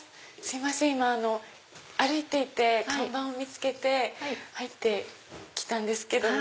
今歩いていて看板を見つけて入って来たんですけども。